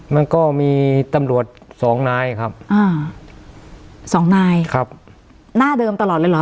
มันก็มีตำรวจสองนายครับอ่าสองนายครับหน้าเดิมตลอดเลยเหรอ